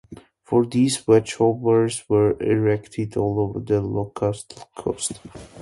For these, watchtowers were erected all over the Ilocos coast.